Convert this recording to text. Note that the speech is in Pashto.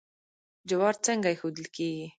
جوار څنګه ایښودل کیږي؟